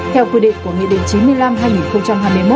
theo quy định của nghị định chín mươi năm hai nghìn hai mươi một